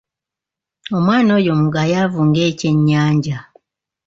Omwana oyo mugayaavu ng'ekyennyanja.